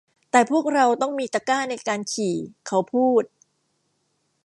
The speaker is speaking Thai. แต่พวกเราต้องมีตะกร้าในการขี่ เขาพูด